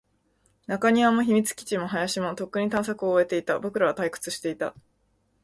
中庭も、秘密基地も、林も、とっくに探索を終えていた。僕らは退屈していた。